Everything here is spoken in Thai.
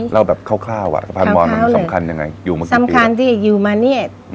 เล่าแบบคร่าวค่ะสะพานมอนสำคัญยังไง